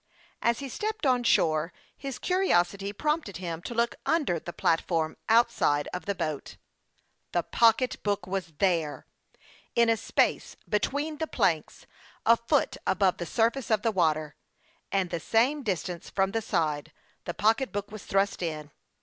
As he stepped on shore, his curiosity prompted him to look under the platform outside of the boat. The pocketbook was there ! In a space between the planks, a foot above the surface of the water, and the same distance from the side, the pocketbook was thrust in.